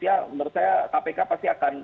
ya menurut saya kpk pasti akan